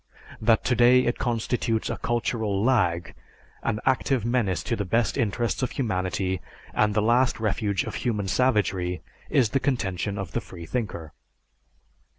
That today it constitutes a cultural lag, an active menace to the best interests of humanity and the last refuge of human savagery, is the contention of the freethinker.